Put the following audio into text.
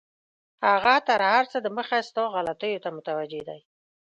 هغه تر هر څه دمخه ستا غلطیو ته متوجه دی.